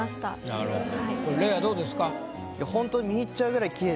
なるほど。